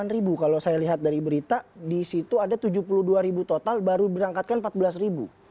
delapan ribu kalau saya lihat dari berita di situ ada tujuh puluh dua ribu total baru diberangkatkan empat belas ribu